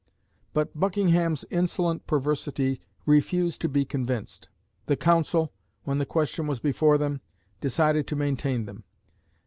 But Buckingham's insolent perversity "refused to be convinced." The Council, when the question was before them, decided to maintain them.